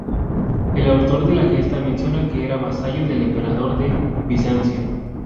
El autor de la "Gesta" menciona que era vasallo del emperador de Bizancio.